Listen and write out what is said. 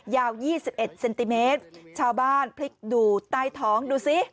ยาว๒๑เซนติเมตรชาวบ้านพลิกดูใต้ท้องดูสิ